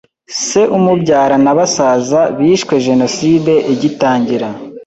Se umubyara na basaza bishwe jenoside igitangira.